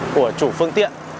của chủ phương tiện